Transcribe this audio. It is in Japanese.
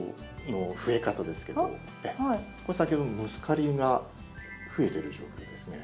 これ先ほどのムスカリが増えてる状況ですね。